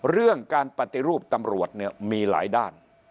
เรื่องการปฏิรูปตำรวจเนี่ยมีหลายด้าน